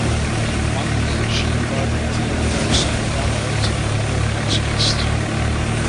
One year, she invited Theodosia Gallow to be her house-guest.